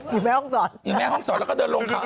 อยู่แม่ห้องศรอยู่แม่ห้องศรแล้วก็เดินลงเขา